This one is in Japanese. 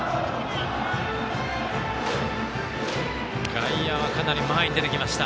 外野は、かなり前に出てきました。